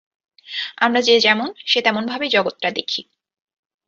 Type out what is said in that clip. আমরা যে যেমন সে তেমন ভাবেই জগৎটা দেখি।